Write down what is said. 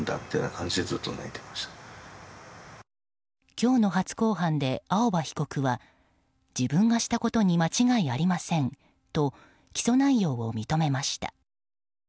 今日の初公判で青葉被告は自分がしたことに間違いありませんと起訴内容を認めました。